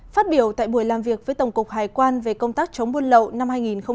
phát biểu tại buổi làm việc với tổng cục hải quan về công tác chống buôn lậu năm hai nghìn một mươi chín